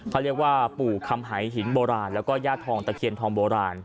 เขาเรียกว่าปู่คำหายหินโบราณแล้วก็ย่าทองตะเคียนทองโบราณ